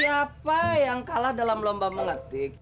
siapa yang kalah dalam lomba mengetik